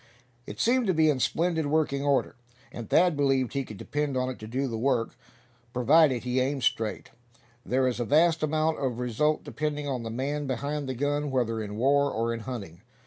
It seemed to be in splendid working order, and Thad believed he could depend on it to do the work, providing he aimed straight. There is a vast amount of result depending on the man behind the gun, whether in war, or in hunting.